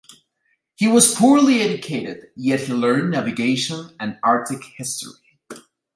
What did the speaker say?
He was poorly educated, yet he learned navigation and Arctic history.